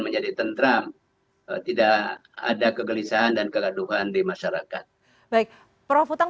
menjadi tentram tidak ada kegelisahan dan kegaduhan di masyarakat baik prof utang